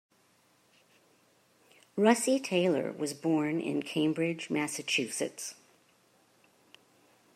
Russi Taylor was born in Cambridge, Massachusetts.